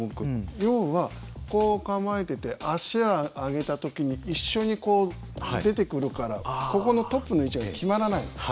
要はこう構えてて足上げた時に一緒にこう出てくるからここのトップの位置が決まらない。